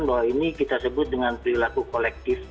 bahwa ini kita sebut dengan perilaku kolektif